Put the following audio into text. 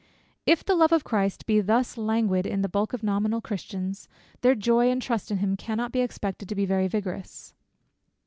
If the love of Christ be thus languid in the bulk of nominal Christians, their joy and trust in him cannot be expected to be very vigorous.